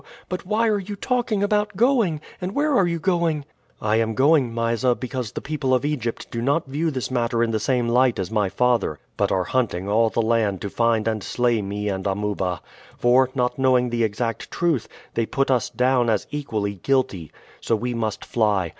But why are you talking about going, and where are you going?" "I am going, Mysa, because the people of Egypt do not view this matter in the same light as my father, but are hunting all the land to find and slay me and Amuba; for, not knowing the exact truth, they put us down as equally guilty. So we must fly.